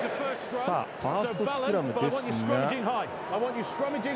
ファーストスクラムですが。